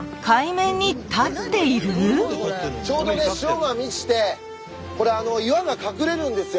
ちょうどね潮が満ちてこれ岩が隠れるんですよ。